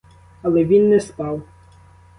Але він не спав.